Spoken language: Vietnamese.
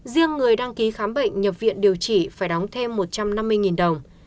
riêng người đăng ký khám bệnh nhập viện điều trị phải đóng thêm một trăm năm mươi đồng